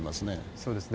そうですね。